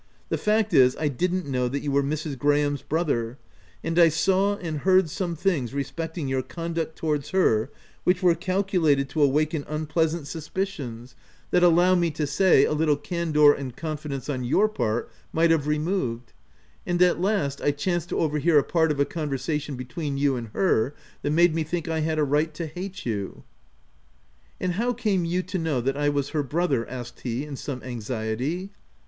The fact is, I didn't know that you were Mrs. Graham's brother, and I saw and heard some things re specting your conduct towards her, which were calculated to awaken unpleasant suspicions, 162 THE TENANT that allow me to say, a little candour and con fidence on your part might have removed ; and at last, I chanced to overhear a part of a con versation between you and her that made me think I had a right to hate you." " And how came you to know that I was her brother?" asked he in some anxietv.